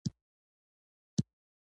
هغې خپل سپین کالي اغوستې دي